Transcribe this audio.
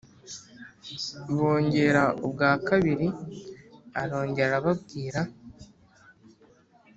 Bongera ubwa kabiri Arongera arababwira